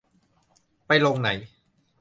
ไปลงไหน